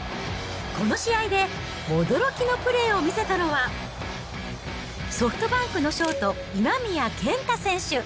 この試合で驚きのプレーを見せたのは、ソフトバンクのショート、今宮健太選手。